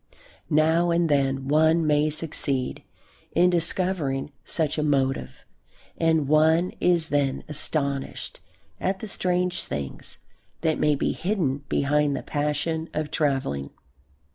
Now and then one may succeed in discovering such a motive and one is then astonished at the strange things that may be hidden behind the passion of travelling.